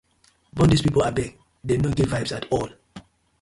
Bone dis pipu abeg, dem no get vibes atol.